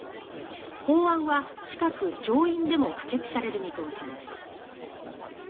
法案は近く、上院でも可決される見通しです。